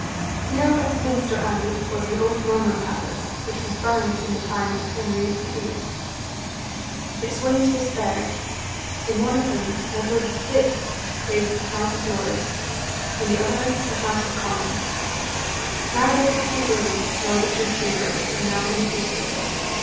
Near Westminster Abbey was an old Norman palace which was burnt in the time of Henry VIII. Its wings were spared. In one of them Edward VI. placed the House of Lords, in the other the House of Commons. Neither the two wings nor the two chambers are now in existence.